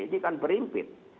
ini kan berimpit